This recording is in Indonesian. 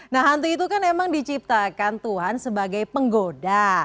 nah hunti itu kan emang diciptakan tuhan sebagai penggoda